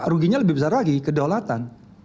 ruginya lebih besar lagi kedaulatan